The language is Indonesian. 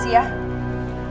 terima kasih ya